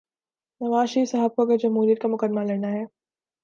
نواز شریف صاحب کو اگر جمہوریت کا مقدمہ لڑنا ہے۔